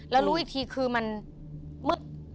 แล้วรู้อีกทีคือมันมืด